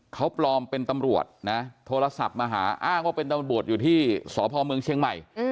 เขาปลอมเป็นตำรวจนะโทรศัพท์มาหาอ้างว่าเป็นตำรวจอยู่ที่สพเมืองเชียงใหม่